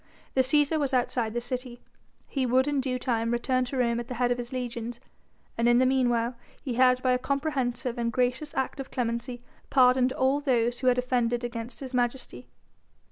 The Cæsar was outside the city, he would in due time return to Rome at the head of his legions, and in the meanwhile he had by a comprehensive and gracious act of clemency pardoned all those who had offended against his majesty.